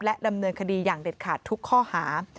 ดำเนินคดีอย่างเด็ดขาดทุกข้อหา